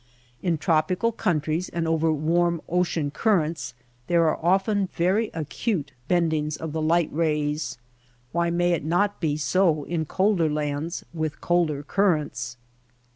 In tropical countries and over warm ocean currents there are often very acute bendings of the light rays. Why may it not be so in colder lands with colder currents